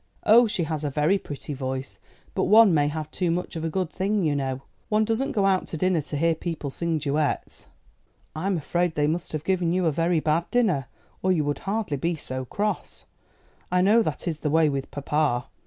"Oh, she has a very pretty voice, but one may have too much of a good thing, you know. One doesn't go out to dinner to hear people sing duets." "I'm afraid they must have given you a very bad dinner, or you would hardly be so cross. I know that is the way with papa.